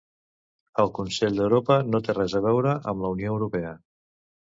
El Consell d'Europa no té res a veure amb la Unió Europea.